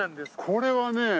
これはね。